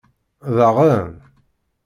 Daɣen?!